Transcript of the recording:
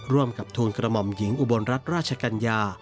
ร่วมกับทูลกระหม่อมหญิงอุบลรัฐราชกัญญา